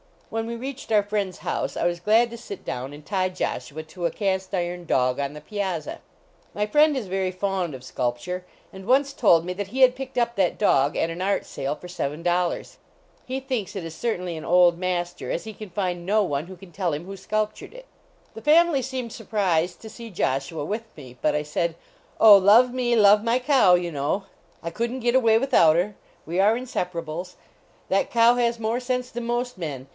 When we reached our friend s house, I was glad to sit down and tie Joshua to a cast iron dog on the piazza. My friend is very fond of sculpture, and once told me that he had picked up that dog at an art >ak fr M ven dollars. He thinks it is cer tainly an old ma>u r. as IK can find no one who can tell him who sculptured it. 249 HOUSEHOLD PETS The family seemed surprised to see Joshua with me, but I said: " Oh, love me, love my cow, you know. I couldn t get away without her. We are in separables. That cow has more sense than most men.